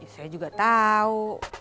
saya juga tau